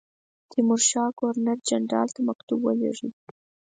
تیمورشاه ګورنر جنرال ته مکتوب ولېږی.